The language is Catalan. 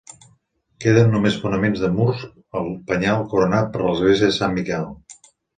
Queden només fonaments de murs al penyal coronat per l'església de Sant Miquel.